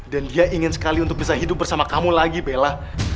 dia ingin sekali untuk bisa hidup bersama kamu lagi bella